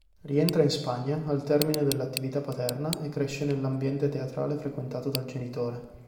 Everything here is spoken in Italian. Rientra in Spagna al termine dell'attività paterna e cresce nell'ambiente teatrale frequentato dal genitore.